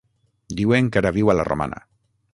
Diuen que ara viu a la Romana.